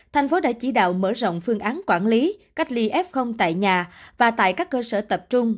thành phố đã chỉ đạo mở rộng phương án quản lý cách ly f tại nhà và tại các cơ sở tập trung